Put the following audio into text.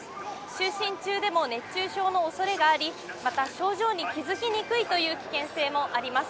就寝中でも熱中症のおそれがあり、また症状に気付きにくいという危険性があります。